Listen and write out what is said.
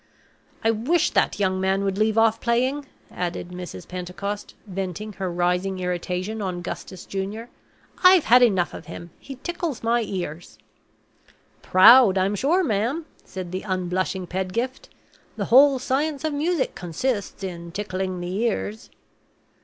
I wish that young man would leave off playing," added Mrs. Pentecost, venting her rising irritation on Gustus Junior. "I've had enough of him he tickles my ears." "Proud, I'm sure, ma'am," said the unblushing Pedgift. "The whole science of music consists in tickling the ears."